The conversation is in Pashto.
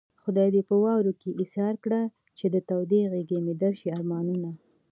خدای دې په واورو کې ايسار کړه چې د تودې غېږې مې درشي ارمانونه